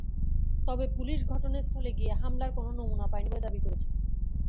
তবে পুলিশ ঘটনাস্থলে গিয়ে হামলার কোনো নমুনা পায়নি বলে দাবি করেছে।